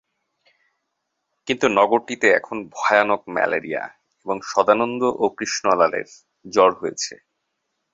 কিন্তু নগরটিতে এখন ভয়ানক ম্যালেরিয়া এবং সদানন্দ ও কৃষ্ণলালের জ্বর হয়েছে।